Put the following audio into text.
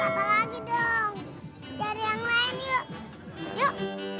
lagi dong dari yang lain yuk